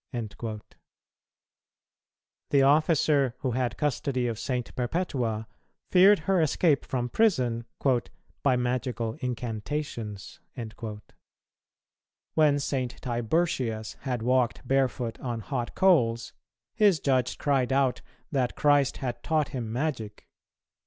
"[229:6] The officer who had custody of St. Perpetua feared her escape from prison "by magical incantations."[229:7] When St. Tiburtius had walked barefoot on hot coals, his judge cried out that Christ had taught him magic.